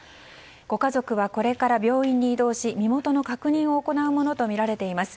ご家族はこれから病院に移動し身元の確認を行うものとみられています。